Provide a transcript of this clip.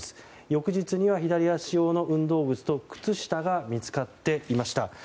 翌日には左足用の運動靴と靴下が見つかっていました。